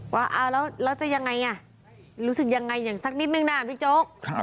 ว่าเอาแล้วจะยังไงรู้สึกยังไงอย่างสักนิดนึงนะบิ๊กโจ๊ก